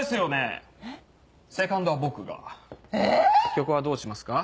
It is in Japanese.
⁉曲はどうしますか？